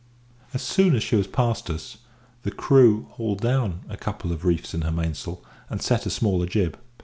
As soon as she was past us, her crew hauled down a couple of reefs in her mainsail, and set a smaller jib.